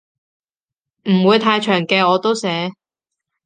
唔會太長嘅我都寫